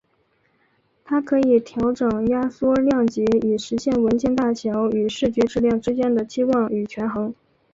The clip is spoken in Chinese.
它可以调整压缩量级以实现文件大小与视觉质量之间的期望与权衡。